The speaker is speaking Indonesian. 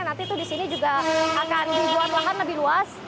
nanti tuh di sini juga akan dibuat ruangan lebih luas